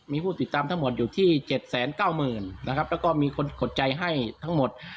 มีผู้ติดตามทั้งหมดอยู่ที่เจ็ดแสนเก้าหมื่นนะครับแล้วก็มีคนขดใจให้ทั้งหมด